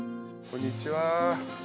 こんにちは。